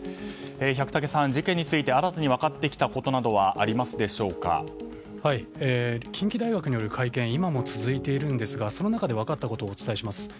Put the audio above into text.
百武さん、事件について新たに分かってきたことは近畿大学による会見は今も続いていますがその中で分かったことをお伝えします。